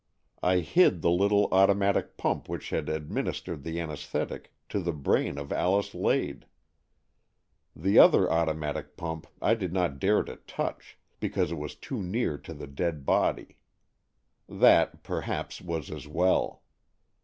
I hid the little automatic pump which had administered the anaesthetic to the brain of Alice Lade. The AN EXCHANGE OF SOULS 161 other automatic pump I did not dare to touch, because it was too near to the dead body. That, perhaps, was as well.